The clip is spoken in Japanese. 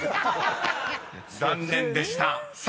［残念でした］